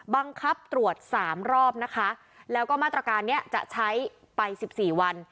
บังคับตรวจสามรอบนะคะแล้วก็มาตรการนี้จะใช้ไปสิบสี่วัน